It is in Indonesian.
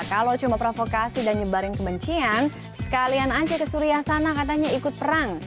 kalau cuma provokasi dan nyebarin kebencian sekalian aja ke suriah sana katanya ikut perang